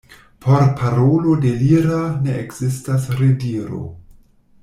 Por parolo delira ne ekzistas rediro.